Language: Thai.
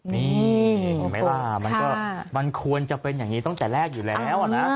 นี่มันควรจะเป็นอย่างนี้ตั้งแต่แรกอยู่แล้วอ่ะนะ